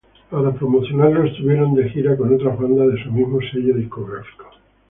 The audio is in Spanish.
Para promocionarlo, estuvieron de gira con otras bandas de su mismo sello discográfico.